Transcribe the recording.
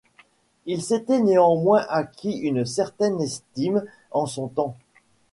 Il s'était néanmoins acquis une certaine estime en son temps.